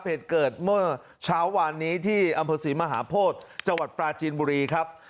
เหตุเกิดเมื่อเช้าวานนี้ที่อำเภอศรีมหาโพธิจังหวัดปราจีนบุรีครับ